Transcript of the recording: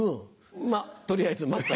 まっ取りあえず待った。